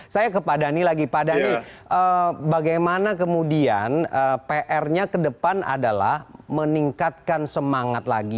saya ke pak dhani lagi pak dhani bagaimana kemudian pr nya ke depan adalah meningkatkan semangat lagi